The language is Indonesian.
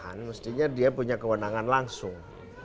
pemerintah dan pemerintahan mestinya dia punya kewenangan langsung